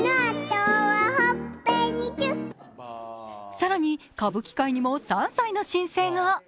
更に歌舞伎界にも３歳の新星が。